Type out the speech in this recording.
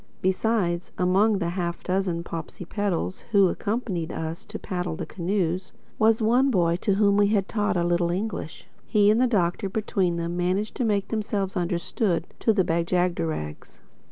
Besides, among the half dozen Popsipetels who accompanied us to paddle the canoes, was one boy to whom we had taught a little English. He and the Doctor between them managed to make themselves understood to the Bag jagderags.